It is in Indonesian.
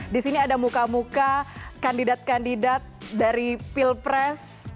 di sini ada muka muka kandidat kandidat dari pilpres